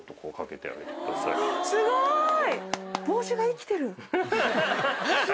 すごい！